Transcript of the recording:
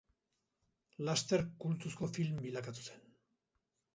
Laster kultuzko film bilakatu zen.